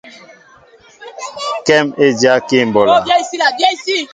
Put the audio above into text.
Kém é dyákí mɓolā.